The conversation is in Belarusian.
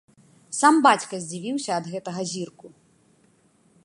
Сам бацька здзівіўся ад гэтага зірку.